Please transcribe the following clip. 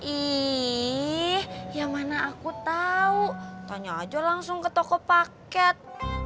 ih yang mana aku tahu tanya aja langsung ke toko paket